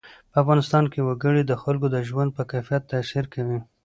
په افغانستان کې وګړي د خلکو د ژوند په کیفیت تاثیر کوي.